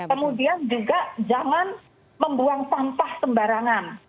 kemudian juga jangan membuang sampah sembarangan